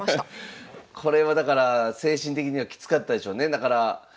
これはだから精神的にはきつかったでしょうね。